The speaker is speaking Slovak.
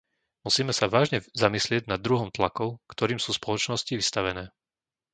Musíme sa vážne zamyslieť nad druhom tlakov, ktorým sú spoločnosti vystavené.